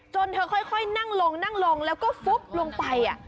จนเธอค่อยนั่งลงแล้วก็ฟุ๊บลงไป